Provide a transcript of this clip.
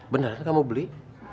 beneran kamu beli